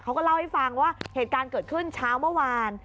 เขาก็เล่าให้ฟังว่าเหตุการณ์เกิดขึ้นเช้าเมื่อวาน